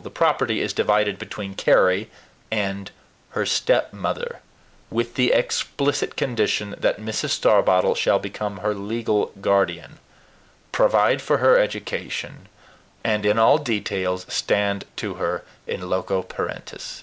The property is divided between Carry and her stepmother, with the explicit condition that Mrs. Starbottle shall become her legal guardian, provide for her education, and in all details stand to her IN LOCO PARENTIS."